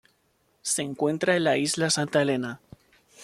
Se encuentra en la isla Santa Helena.